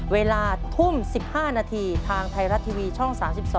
เวลาทุ่ม๑๕นาทีทางไทยรัฐทีวีช่อง๓๒